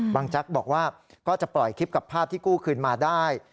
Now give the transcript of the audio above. แจ๊กบอกว่าก็จะปล่อยคลิปกับภาพที่กู้คืนมาได้